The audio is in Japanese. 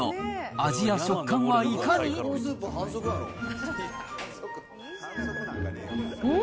味や食感はいかに？ん？